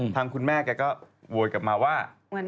ทางคุณแม่แกก็โวยกลับมาว่า